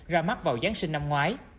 ra mắt vào giáng sinh năm ngoái